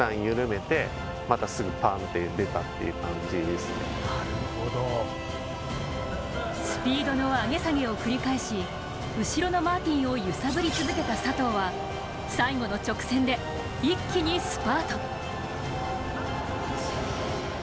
更にスピードの上げ下げを繰り返し後ろのマーティンを揺さぶり続けた佐藤は最後の直線で一気にスパート。